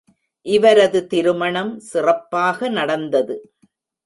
இவரது திருமணம் சிறப்பாக நடந்தது.